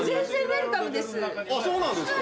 そうなんですか？